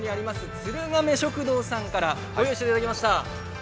鶴亀食堂さんからご用意していただきました。